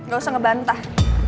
gak usah ngebantah